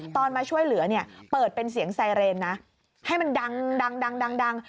มาช่วยเหลือเนี่ยเปิดเป็นเสียงไซเรนนะให้มันดัง